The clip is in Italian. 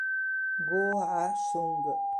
Go Ah-sung